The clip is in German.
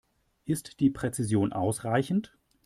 Ist die Präzision ausreichend?